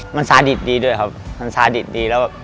มันซาดิตดีด้วยครับมันซาดิดดีแล้ว